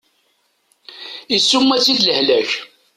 Isuma-tt-id lehlak.